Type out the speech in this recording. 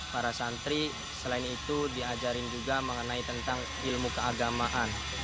para santri selain itu diajarin juga mengenai tentang ilmu keagamaan